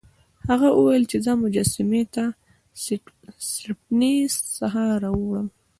هغه وویل چې زه مجسمې له سټپني څخه راوړم.